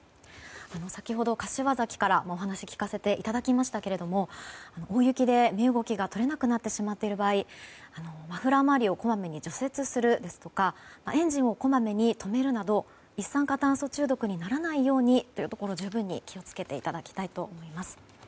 先ほど、柏崎からお話を聞かせていただきましたが大雪で身動きが取れなくなってしまっている場合マフラー周りをこまめに除雪するですとかエンジンをこまめに止めるなど一酸化炭素中毒にならないように十分に気を付けていただきたいと思います。